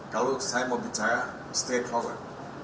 kalau saya mau bicara straight forward